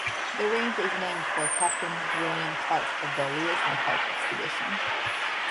The range is named for Captain William Clark of the Lewis and Clark Expedition.